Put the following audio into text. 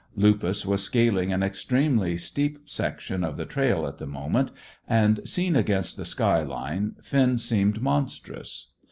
Lupus was scaling an extremely steep section of the trail at the moment, and, seen against the sky line, Finn seemed monstrous.